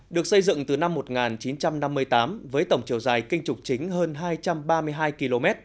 được xây dựng từ năm một nghìn chín trăm năm mươi tám với tổng chiều dài kinh trục chính hơn hai trăm ba mươi hai km